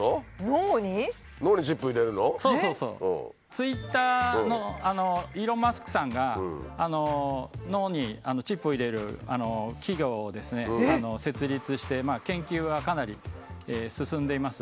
ツイッターのイーロン・マスクさんが脳にチップを入れる企業をですね設立して研究はかなり進んでいます。